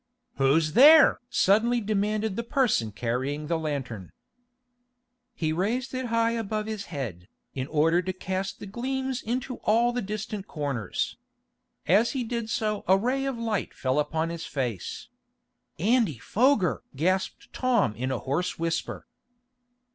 "Who's there?" suddenly demanded the person carrying the lantern. He raised it high above his head, in order to cast the gleams into all the distant corners. As he did so a ray of light fell upon his face. "Andy Foger!" gasped Tom in a hoarse whisper.